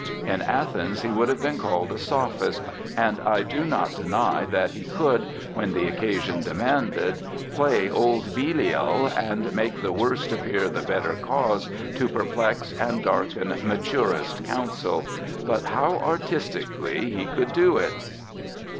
In Athens he would have been called a sophist, and I do not deny that he could, when the occasion demanded, play old Belial, and make the worse appear the better cause, to perplex and darken maturest counsel— but how artistically he could doit!